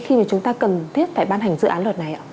khi chúng ta cần thiết phải ban hành dự án luật này